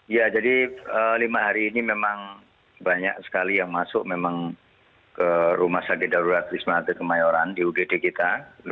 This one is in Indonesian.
ya jadi lima hari ini memang banyak sekali yang masuk memang ke rumah sakit darurat wisma atlet kemayoran di ugd kita